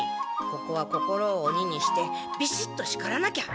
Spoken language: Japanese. ここは心を鬼にしてビシッとしからなきゃ。